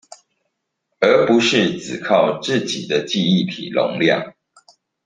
而不是只靠自己的記憶體容量